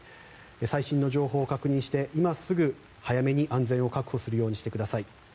最新の情報を確認して今すぐ早めに安全を確保するようにしてください。